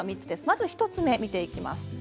まず１つ目見ていきます。